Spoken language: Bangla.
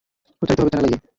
প্রচারিত হবে চ্যানেল আইয়ে।